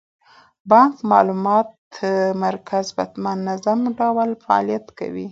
د بانک معلوماتي مرکز په منظم ډول فعالیت کوي.